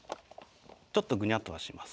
ちょっとグニャッとはします。